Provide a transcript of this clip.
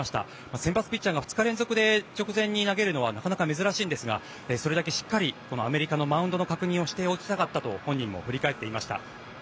先発ピッチャーが２日連続で直前に投げるのはなかなか珍しいんですがそれだけしっかりアメリカのマウンドの確認をしておきたかったと本人も振り返っておりました。